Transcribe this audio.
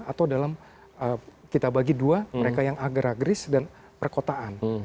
atau dalam kita bagi dua mereka yang agragris dan perkotaan